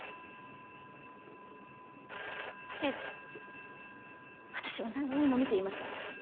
ええ私は何にも見ていません。